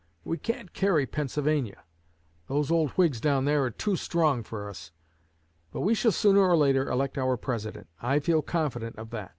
We can't carry Pennsylvania; those old Whigs down there are too strong for us. But we shall sooner or later elect our President. I feel confident of that.'